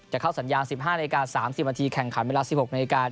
จะเข้าสัญญา๑๕น๓๐นแข่งขันเวลา๑๖น